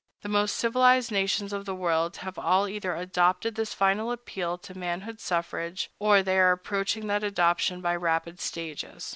The most civilized nations of the world have all either adopted this final appeal to manhood suffrage, or they are approaching that adoption by rapid stages.